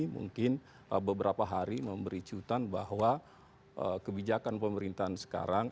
mungkin beberapa hari memberi cutan bahwa kebijakan pemerintahan sekarang